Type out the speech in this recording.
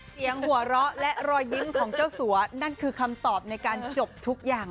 เสียงหัวเราะและรอยยิ้มของเจ้าสัวนั่นคือคำตอบในการจบทุกอย่าง